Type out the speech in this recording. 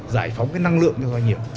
giải phóng cái năng lượng cho doanh nghiệp